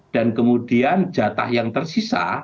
dan kemudian jatah yang tersisa